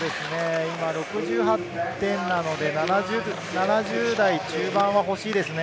今、６８点なので７０台中盤がほしいですね。